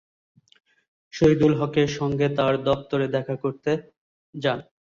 শহীদুল হকের সঙ্গে তাঁর দপ্তরে দেখা করতে যান।